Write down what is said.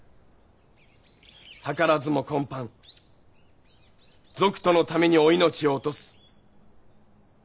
はからずも今般賊徒のためにお命を落とす。